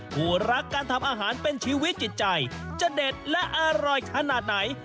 ผู้รักการทำอาหารเป็นชีวิตจิตใจจะเด็ดและอร่อยขนาดไหน